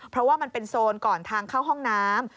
เพราะว่ามันเป็นโซนก่อนทางเข้าห้องน้ำ